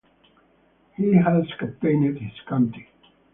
He has captained his county.